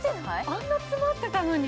あんな詰まってたのに。